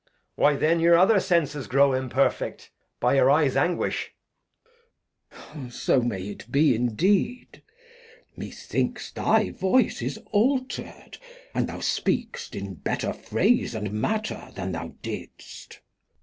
Why then your other Senses grow imperfect By your Eyes Anguish. '''*■ Glost. So may it be indeed. Methinks thy Voice is alter'd, and thou speak'st In better Phrase and Matter than thou didst.